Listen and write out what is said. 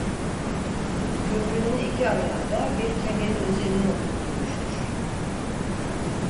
Köprünün iki ayağı da bir kemerin üzerine oturtulmuştur.